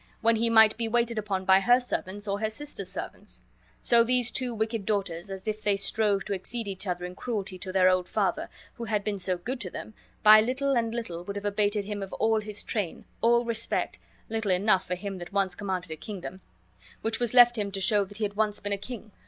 when he might be waited upon by her servants or her sister's servants? So these two wicked daughters, as if they strove to exceed each other in cruelty to their old father, who had been so good to them, by little and little would have abated him of all his train, all respect (little enough for him that once commanded a kingdom) which was left him to show that he had once been a king!